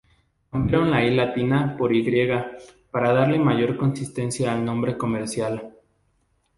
Cambiaron la "i" por "y" para darle mayor consistencia al nombre comercial.